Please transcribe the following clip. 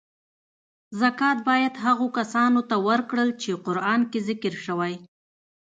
زکات باید هغو کسانو ته ورکړل چی قران کې ذکر شوی .